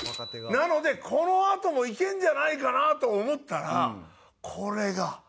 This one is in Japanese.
なのでこのあともいけるんじゃないかなと思ったらこれが。